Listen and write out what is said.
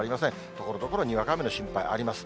ところどころ、にわか雨の心配あります。